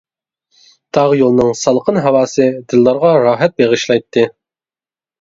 تاغ يولىنىڭ سالقىن ھاۋاسى دىللارغا راھەت بېغىشلايتتى.